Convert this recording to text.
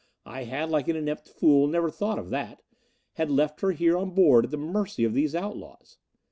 I had, like an inept fool, never thought of that! Had left her here on board at the mercy of these outlaws.